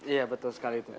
iya betul sekali itu